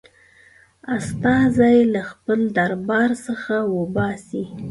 استازی له خپل دربار څخه وباسي.